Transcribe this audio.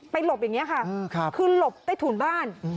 หลบอย่างนี้ค่ะคือหลบใต้ถุนบ้าน